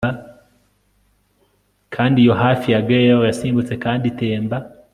Kandi iyo hafi ya gaily yasimbutse kandi itemba